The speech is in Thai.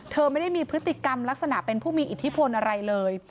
เธอไม่ได้มีพฤติกรรมลักษณะเป็นผู้มีอิทธิพลอะไรเลย